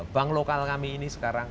bank lokal kami ini sekarang